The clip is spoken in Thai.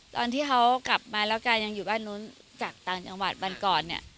ตอนที่เขากลับมาแล้วกันยังอยู่บ้านนู้นจากต่างจังหวัดบรรกร